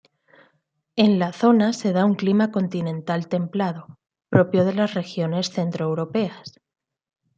En la zona se da un clima continental templado, propio de las regiones centroeuropeas.